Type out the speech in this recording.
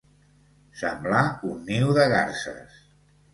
Semblar un niu de garses.